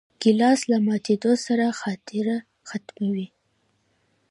ګیلاس له ماتېدو سره خاطره ختموي.